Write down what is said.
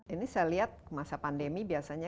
ini saya lihat masa pandemi biasanya